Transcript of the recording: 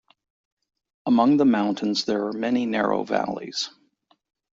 Among the mountains there are many narrow valleys.